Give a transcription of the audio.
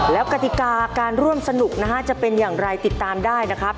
แล้วกติกาการร่วมสนุกนะฮะจะเป็นอย่างไรติดตามได้นะครับ